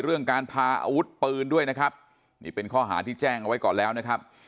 เรื่องการพาอาวุธปืนด้วยนะครับนี่เป็นข้อหาที่แจ้งเอาไว้ก่อนแล้วนะครับ